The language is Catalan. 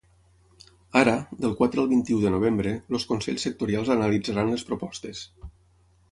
Ara, del quatre al vint-i-u de novembre, els consells sectorials analitzaran les propostes.